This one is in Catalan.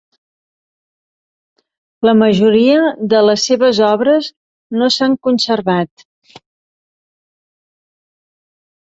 La majoria de les seves obres no s'han conservat.